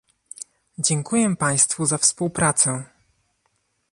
Dziękuję Państwu za współpracę